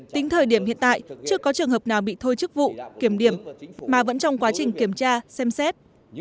tính thời điểm hiện tại chưa có trường hợp nào bị thôi chức vụ kiểm điểm mà vẫn trong quá trình kiểm tra xem xét